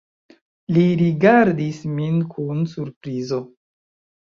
Li rigardis min kun surprizo.